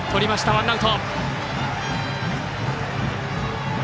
ワンアウト。